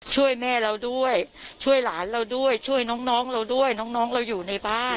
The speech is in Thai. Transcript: ช่วยแม่เราด้วยช่วยหลานเราด้วยช่วยน้องเราด้วยน้องเราอยู่ในบ้าน